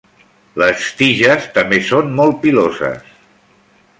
Les tiges també són molt piloses.